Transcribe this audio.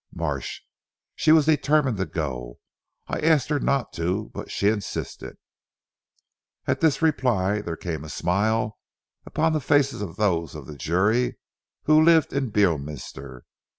Marsh. "She was determined to go. I asked her not to, but she insisted." At this reply there came a smile upon the faces of those of the jury who lived at Beorminster.